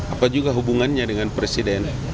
apa juga hubungannya dengan presiden